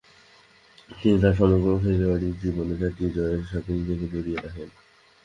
তিনি তার সমগ্র খেলোয়াড়ী জীবনে চারটি জয়ের সাথে নিজেকে জড়িয়ে রাখেন।